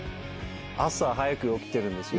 朝早く起きてるんですよ